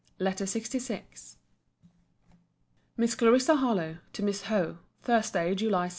LETTER LXVI MISS CLARISSA HARLOWE, TO MISS HOWE THURSDAY, JULY 6.